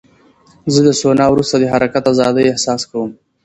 زه د سونا وروسته د حرکت ازادۍ احساس کوم.